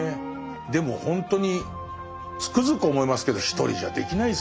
でもほんとにつくづく思いますけど一人じゃできないですもんね